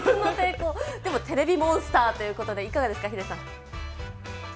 でもテレビモンスターということで、いかがですか、ヒデさん。